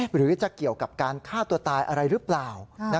หรือจะเกี่ยวกับการฆ่าตัวตายอะไรหรือเปล่า